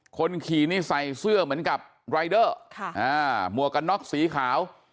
คนขี่นี่ใส่เสื้อเหมือนกับรายเดอร์หมวกกันน็อกสีขาว